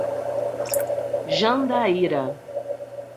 Jandaíra